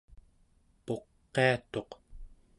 puqiatuq